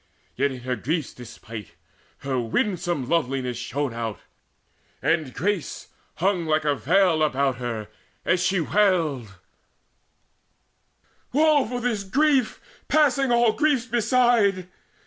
Yet, in her griefs despite, Her winsome loveliness shone out, and grace Hung like a veil about her, as she wailed: "Woe for this grief passing all griefs beside!